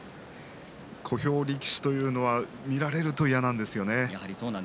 小兵力士というのは見られると嫌なんですよね。